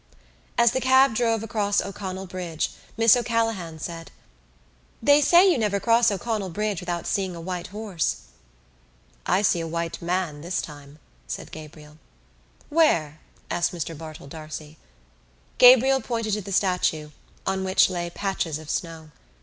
As the cab drove across O'Connell Bridge Miss O'Callaghan said: "They say you never cross O'Connell Bridge without seeing a white horse." "I see a white man this time," said Gabriel. "Where?" asked Mr Bartell D'Arcy. Gabriel pointed to the statue, on which lay patches of snow.